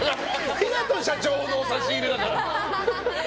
港社長の差し入れだから。